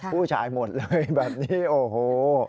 ผู้ชายหมดเลยแบบนี้โอ้โห